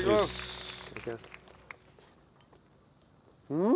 うん。